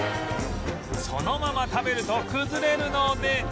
そのまま食べると崩れるので